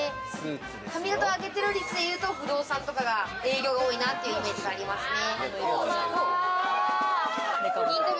髪形上げてる率でいうと、不動産とか営業が多いなというイメージがありますね。